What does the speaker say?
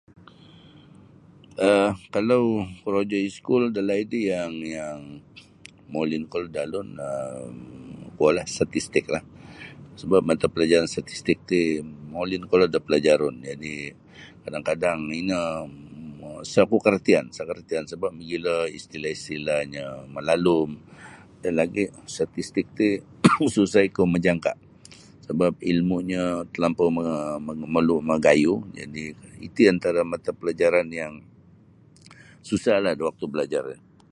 um Kalau korojo iskul dalaid ri yang yang molin kolod da alun um kuo lah statistik lah sabab mata palajaran statistik ti molin kolod da palajarun jadi kadang-kadang ino ini isa ku karatian isa karatian sabab magilo istilah-istilahnyo malalum dan lagi statistik ti susah ikau majangka sabab ilmunyo talampau magayuh jadi iti antara mata pelajaran yang susahlah da waktu balajar ri.